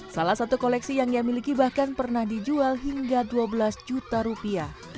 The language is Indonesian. salah satu koleksi yang ia miliki bahkan pernah dijual hingga dua belas juta rupiah